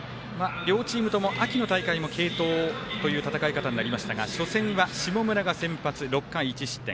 両チームとも秋の大会も継投という戦い方になりましたが初戦は、下村が先発、６回１失点。